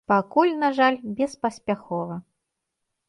Пакуль, на жаль, беспаспяхова.